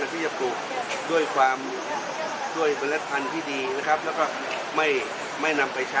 วันจุดท้ายของการการเสียงแล้วครับมีอะไรที่จะเป็นพิเศษหรือว่าให้ผู้สมาชร